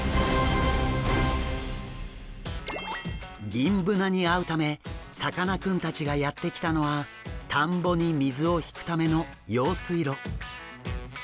ギンブナに会うためさかなクンたちがやって来たのは田んぼに水を引くための用水路。